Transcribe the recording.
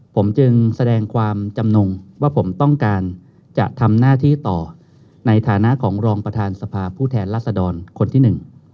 ผมจึงแสดงความจำนงว่าผมต้องการจะทำหน้าที่ต่อในฐานะของรองประธานสภาผู้แทนรัศดรคนที่หนึ่ง